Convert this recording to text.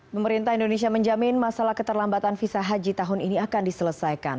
pemerintah indonesia menjamin masalah keterlambatan visa haji tahun ini akan diselesaikan